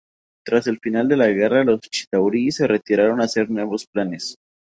Tras el final de la guerra, los Chitauri se retiraron a hacer nuevos planes.